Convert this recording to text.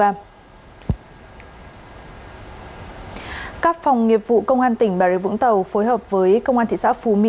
các phòng nghiệp vụ công an tỉnh bà rịa vũng tàu phối hợp với công an thị xã phú mỹ